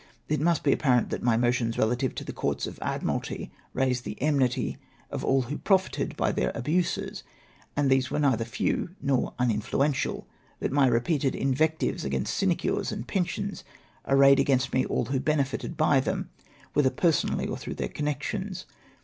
It must be apparent that my motions relative to the Courts of Admiralty raised the enmity of all who profited by their abuses, and these w^ere neither few nor miin fluential, — that my repeated invectives against sinecures and pensions arrayed against me all who beneflted by them — wdiether personally or through their connections.